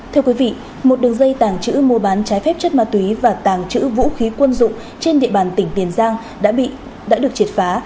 thưa quý vị một đường dây tàng trữ mua bán trái phép chất ma túy và tàng trữ vũ khí quân dụng trên địa bàn tỉnh tiền giang đã được triệt phá